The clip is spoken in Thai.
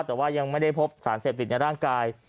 แต่ว่ายังไม่ได้พบสารเสพติดในร่างกาย